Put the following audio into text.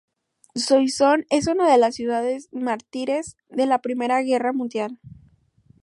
Soissons es una de las ciudades mártires de la Primera Guerra Mundial.